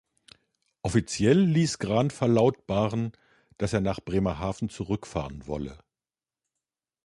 Offiziell ließ Grahn verlautbaren, dass er nach Bremerhaven zurückzufahren wolle.